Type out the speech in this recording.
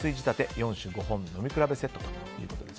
４種５本飲み比べセットです。